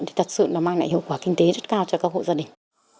thì thật sự nó mang lại hiệu quả kinh tế rất cao cho các hộ gia đình